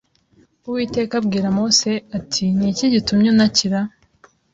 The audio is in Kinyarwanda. Uwiteka abwira Mose ati ni iki gitumye untakira